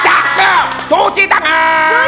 cakep cuci tangan